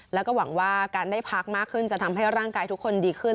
แล้วก็หวังว่าการได้พักมากขึ้นจะทำให้ร่างกายทุกคนดีขึ้น